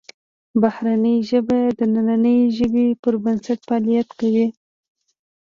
بهرنۍ ژبه د دنننۍ ژبې پر بنسټ فعالیت کوي